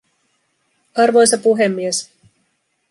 Arvoisa puhemies